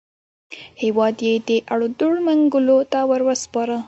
هېواد یې د اړدوړ منګولو ته وروسپاره.